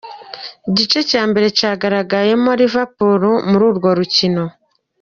Igice ca mbere cagaragayemwo Liverpool muri urwo rukino.